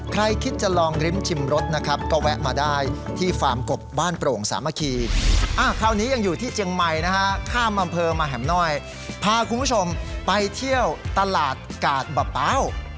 ใครคิดจะลองริมชิมรสนะครับก็แวะมาได้ที่ฟาร์มกบบ้านโปร่งสามัคคีคราวนี้ยังอยู่ที่เจียงใหม่นะฮะข้ามอำเภอมาแห่มน้อยพาคุณผู้ชมไปเที่ยวตลาดกาดบะเป๋า